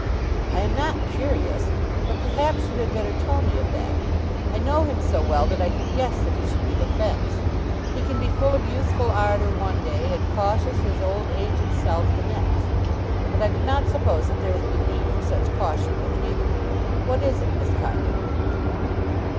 "I am not curious; but perhaps you had better tell me of that. I know him so well that I can guess that he should give offence. He can be full of youthful ardour one day, and cautious as old age itself the next. But I do not suppose that there has been need for such caution with you. What is it, Miss Carbury?"